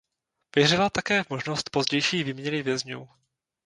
Věřila také v možnost pozdější výměny vězňů.